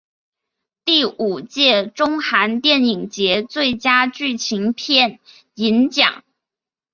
第五届中韩电影节最佳剧情片银奖。